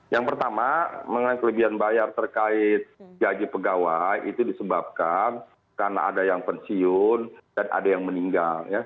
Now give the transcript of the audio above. yang pertama mengenai kelebihan bayar terkait gaji pegawai itu disebabkan karena ada yang pensiun dan ada yang meninggal